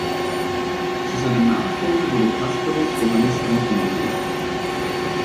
Zu seinem Nachfolger wurde Casparus Johannes Rinkel gewählt.